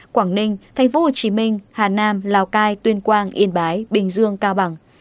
quảng ninh tp hcm hà nam lào cai tuyên quang yên bái bình dương cao bằng